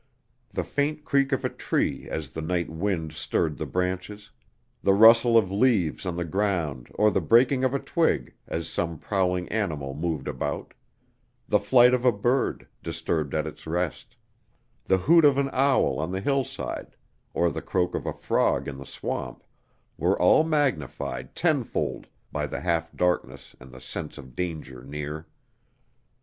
The faint creak of a tree as the night wind stirred the branches; the rustle of leaves on the ground or the breaking of a twig as some prowling animal moved about; the flight of a bird, disturbed at its rest; the hoot of an owl on the hillside or the croak of a frog in the swamp were all magnified tenfold by the half darkness and the sense of danger near.